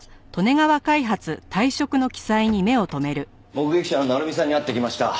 目撃者の鳴海さんに会ってきました。